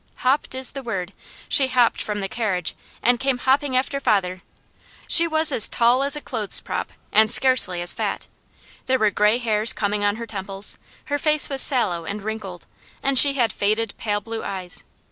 Hopped is the word. She hopped from the carriage and came hopping after father. She was as tall as a clothes prop and scarcely as fat. There were gray hairs coming on her temples. Her face was sallow and wrinkled, and she had faded, pale blue eyes.